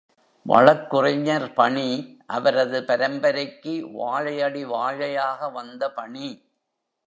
வழக்குரைஞர் பணி அவரது பரம்பரைக்கு வாழையடி வாழையாக வந்த பணி.